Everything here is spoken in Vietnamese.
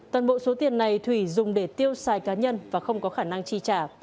toàn bộ số tiền này thủy dùng để tiêu xài cá nhân và không có khả năng chi trả